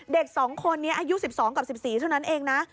เด็ก๒คนนี้อายุ๑๒กับ๑๔เท่านั้นเองนะ